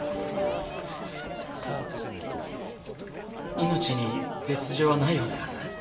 命に別状はないようでがす。